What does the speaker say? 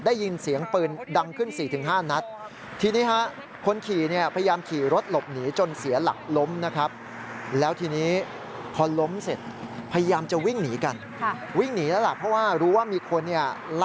ได้ยินเสียงปืนดังขึ้นสี่ถึงห้านัดทีนี้ฮะคนขี่เนี้ย